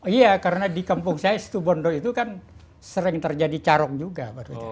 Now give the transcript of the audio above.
iya karena di kampung saya setubondo itu kan sering terjadi carok juga